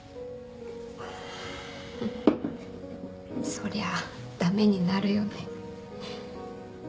そりゃあ駄目になるよね。